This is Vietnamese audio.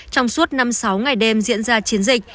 trong suốt năm sáu ngày đêm diễn ra chiến dịch